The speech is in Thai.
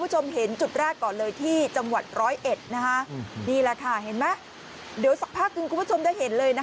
เห็นจุดแรกก่อนเลยที่จังหวัดร้อยเอ็ดแม่ภาคฝนได้เห็นเลย